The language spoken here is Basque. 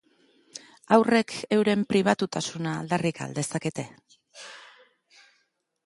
Haurrek euren pribatutasuna aldarrika al dezakete?